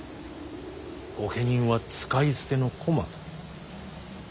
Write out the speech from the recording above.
御家人は使い捨ての駒と。